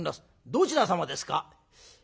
どちら様ですか？」。